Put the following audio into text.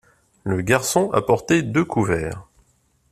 Le garçon apportait deux couverts.